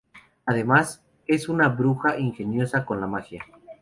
Además, es una bruja ingeniosa con la magia.